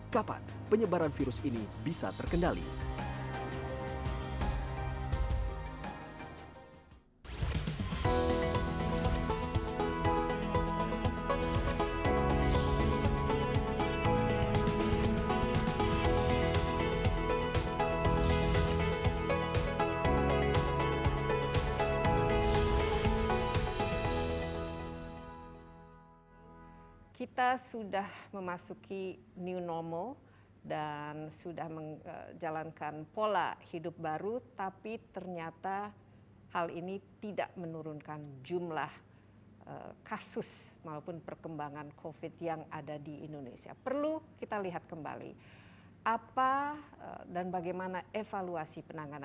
kapan penyebaran virus ini bisa terkendali